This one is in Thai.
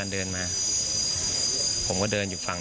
โป่งแร่ตำบลพฤศจิตภัณฑ์